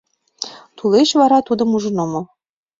— Тулеч вара тудым ужын омыл.